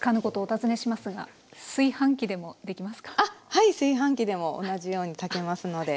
はい炊飯器でも同じように炊けますので。